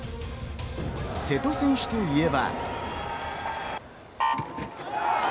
瀬戸選手といえば。